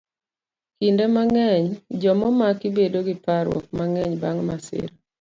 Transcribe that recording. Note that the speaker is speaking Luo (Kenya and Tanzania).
Kinde mang'eny, joma omaki bedo gi parruok mang'eny bang' masira.